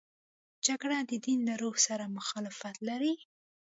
جګړه د دین له روح سره مخالفت لري